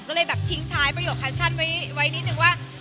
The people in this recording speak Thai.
ก็เลยแบบทิ้งท้ายประโยคแคชั่นไว้นิดนึงว่า